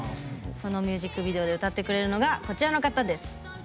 そのミュージックビデオで歌ってくれるのがこちらの方です。